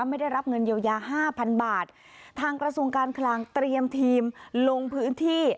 ไม่ได้รับเงินเยียวยาห้าพันบาททางกระทรวงการคลังเตรียมทีมลงพื้นที่